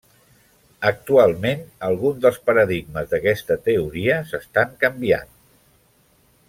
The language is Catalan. Actualment alguns dels paradigmes d'aquesta teoria s'estan canviant.